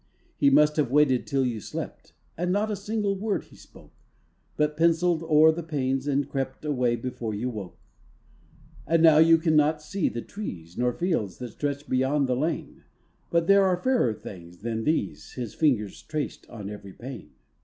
He must have waited till you slept, And not a single word he spoke, But penciled o'er the panes and crept Away before you woke. And now you can not see the trees Nor fields that stretch beyond the lane But there are fairer things than these His fingers traced on every pane.